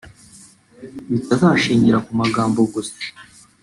bitazashingira ku magambo gusa